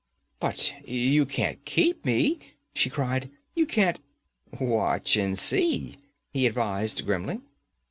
'But you can't keep me!' she cried. 'You can't ' 'Watch and see!' he advised grimly.